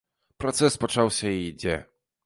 Працэс пачаўся і ідзе.